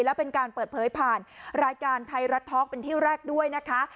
และเป็นการเปิดเผยผ่านรายการไทยรัฐทอล์กเป็นที่แรกด้วยนะคะ